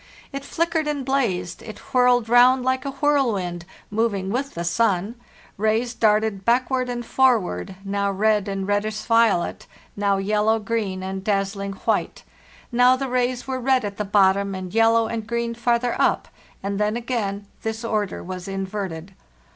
It flickered and blazed, it whirled round like a whirlwind (moving with the sun), rays darted backward and forward, now red and reddish violet, now yellow, green, and dazzling white; now the rays were red at the bottom and yellow and green farther up, and then again this order was in verted.